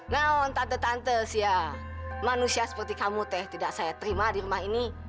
namun tante tante ya manusia seperti kamu teh tidak saya terima di rumah ini